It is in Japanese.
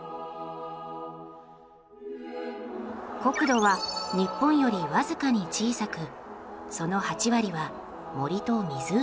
国土は日本より僅かに小さくその８割は森と湖です。